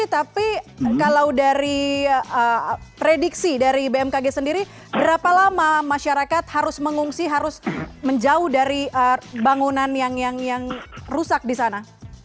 tapi kalau dari prediksi dari bmkg sendiri berapa lama masyarakat harus mengungsi harus menjauh dari bangunan yang rusak di sana